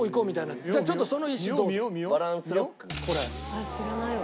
あっ知らないわ。